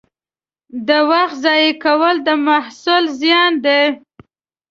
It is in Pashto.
د وخت ضایع کول د محصل زیان دی.